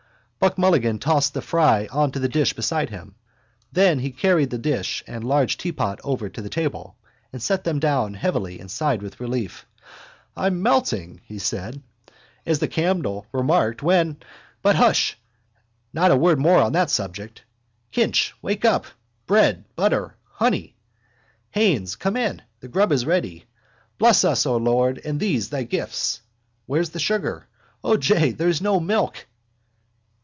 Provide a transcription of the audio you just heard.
Buck Mulligan tossed the fry on to the dish beside him. Then he carried the dish and a large teapot over to the table, set them down heavily and sighed with relief. —I'm melting, he said, as the candle remarked when... But, hush! Not a word more on that subject! Kinch, wake up! Bread, butter, honey. Haines, come in. The grub is ready. Bless us, O Lord, and these thy gifts. Where's the sugar? O, jay, there's no milk.